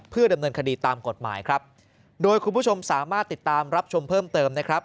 เพื่อดำเนินคดีตามกฎหมายครับโดยคุณผู้ชมสามารถติดตามรับชมเพิ่มเติมนะครับ